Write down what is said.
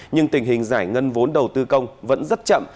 nhưng tình hình giải ngân vốn đầu tư công vẫn rất chậm